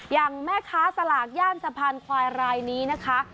อย่างแม่ค้าสลากย่านสะพานควายรายนี้นะคะ